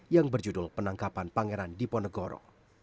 yang berjudul penangkapan pangeran diponegoro